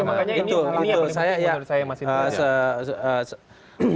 makanya ini yang paling penting menurut saya mas intro